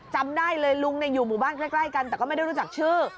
จำได้เลยลุงอยู่หมู่บ้านใกล้กันแต่ก็ไม่ได้รู้จักชื่อ